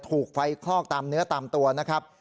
ถูกไฟคลอกตามเนื้อตามตัวนะครับ